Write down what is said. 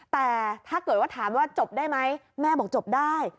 แต่ถ้าเกิดว่าถามว่าจบได้ไหมแม่บอกจบได้